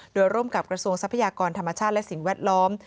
โดยร่วมกับกระทรวงทรัพยากรธรรมชาติและสิ่งแวดล้อม